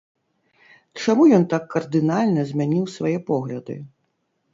Чаму ён так кардынальна змяніў свае погляды?